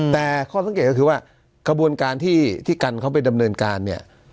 แต่ข้อสังเกตก็คือว่ากระบวนการที่กันเขาไปดำเนินการเนี่ย